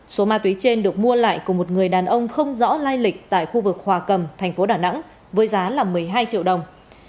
số ma túy trên được mua lại của một người đàn ông không rõ lai lịch tại khu vực hòa cầm thành phố đà nẵng với giá là một mươi hai triệu đồng